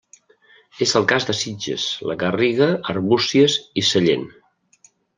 És el cas de Sitges, la Garriga, Arbúcies i Sallent.